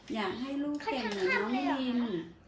อยากให้ลูกเก่งน้องนี่ลิง